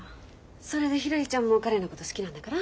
それでひらりちゃんも彼のこと好きなんだから。